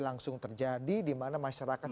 langsung terjadi di mana masyarakat